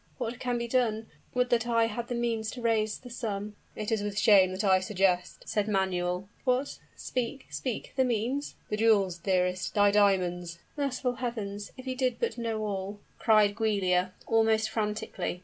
"What can be done? would that I had the means to raise this sum " "It is with shame that I suggest " said Manuel. "What? Speak speak! The means?" "Thy jewels, dearest thy diamonds " "Merciful heavens! if you did but know all!" cried Giulia, almost frantically.